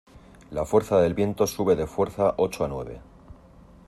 la fuerza del viento sube de fuerza ocho a nueve